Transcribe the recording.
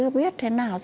không biết thế nào